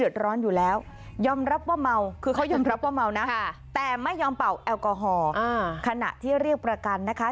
แต่ไม่ยอมเป่าแอลกอฮอล์ขณะที่เรียกประกันนะคะ